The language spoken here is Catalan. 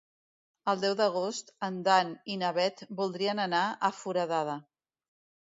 El deu d'agost en Dan i na Bet voldrien anar a Foradada.